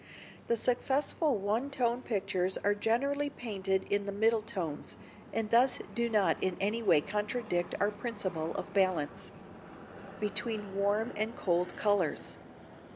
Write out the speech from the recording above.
The successful one tone pictures are generally painted in the middle tones, and thus do not in any way contradict our principle of balance. [Sidenote: Between Warm and Cold Colours.